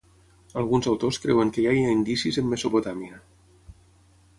Alguns autors creuen que ja hi ha indicis en Mesopotàmia.